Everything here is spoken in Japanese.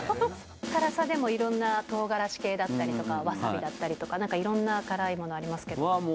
辛さでもいろんなとうがらし系だったり、わさびだったりとか、なんかいろんな辛いものありますけど。